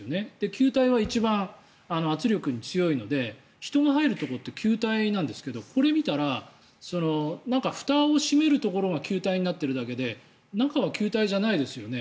球体が一番圧力に強いので人が入るところって球体なんですがこれを見たらふたを閉めるところが球体になっているだけで中は球体じゃないですよね。